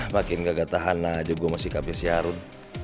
makin gak tahan aja gue masih kapir si harun